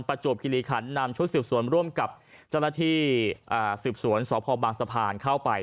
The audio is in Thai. ประจวบกิริขันต์นำชุดสืบสวนร่วมกับจรฐีอ่าสืบสวนสอบพอบางสะพานเข้าไป